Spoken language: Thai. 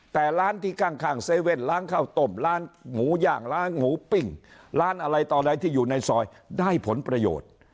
แต่ร้านที่ข้างเซเว่นล้างข้าวต้มร้านหมูย่างล้างหมูปิ้งร้านอะไรต่ออะไรที่อยู่ในซอยได้ผลประโยชน์